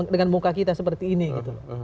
dengan muka kita seperti ini gitu loh